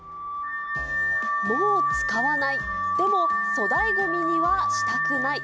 もう使わない、でも、粗大ごみにはしたくない。